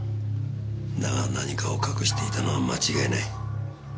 だが何かを隠していたのは間違いない。